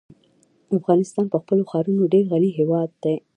افغانستان په خپلو ښارونو ډېر غني هېواد دی.